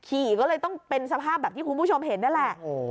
ขี่ก็เลยต้องเป็นสภาพแบบที่คุณผู้ชมเห็นนั่นแหละ